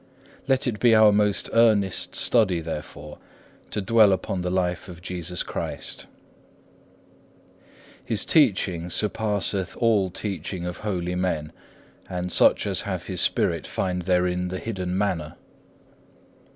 Let it be our most earnest study, therefore, to dwell upon the life of Jesus Christ. 2. His teaching surpasseth all teaching of holy men, and such as have His Spirit find therein the hidden manna.